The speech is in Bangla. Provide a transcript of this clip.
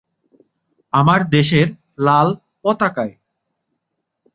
আমার দেশের লাল পতাকায়